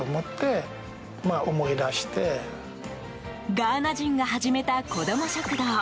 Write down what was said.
ガーナ人が始めたこども食堂。